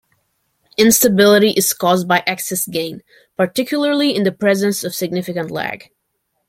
Instability is caused by "excess" gain, particularly in the presence of significant lag.